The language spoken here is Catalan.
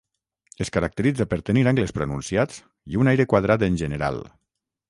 Es caracteritza per tenir angles pronunciats i un aire quadrat en general.